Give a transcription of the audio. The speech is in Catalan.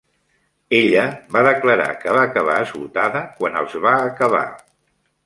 Ella va declarar que va acabar esgotada quan els va acabar.